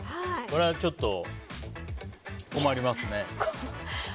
これはちょっと困りますね。